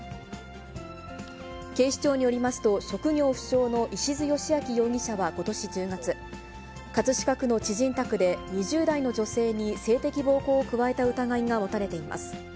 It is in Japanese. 警視庁によりますと、職業不詳の石津佳明容疑者はことし１０月、葛飾区の知人宅で、２０代の女性に性的暴行を加えた疑いが持たれています。